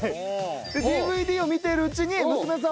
ＤＶＤを見ているうちに娘さん